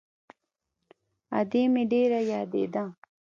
ادې مې ډېره يادېده.